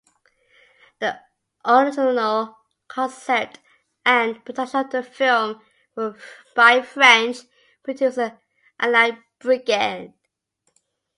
The original concept and production of the film were by French producer Alain Brigand.